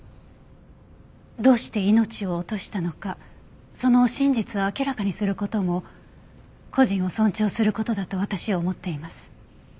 どうして命を落としたのかその真実を明らかにする事も故人を尊重する事だと私は思っています。